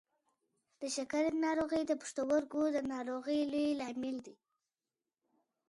د شکر ناروغي د پښتورګو د ناروغۍ لوی لامل دی.